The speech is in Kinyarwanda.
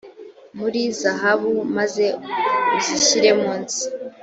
muri zahabu maze uzishyire munsi